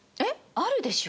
あるでしょ。